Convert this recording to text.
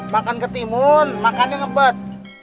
makan ke timun makannya ngebet